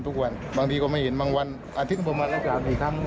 ทุกวันบางทีก็ไม่เห็นบางวันอาทิตย์ก็ไม่เห็น